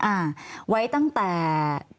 อ่าไว้ตั้งแต่